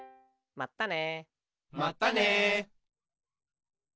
まったね。